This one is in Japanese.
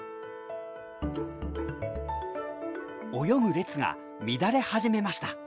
泳ぐ列が乱れ始めました。